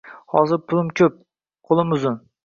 Hozir pulim ko`p, qo`lim uzun